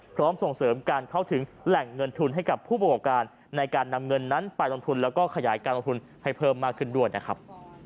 ส่งเสริมการเข้าถึงแหล่งเงินทุนให้กับผู้ประกอบการในการนำเงินนั้นไปลงทุนแล้วก็ขยายการลงทุนให้เพิ่มมากขึ้นด้วยนะครับ